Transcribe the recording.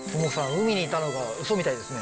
海にいたのがウソみたいですね。